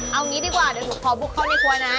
เอางี้ดีกว่าเดี๋ยวหนูขอบุกเข้าในครัวนะ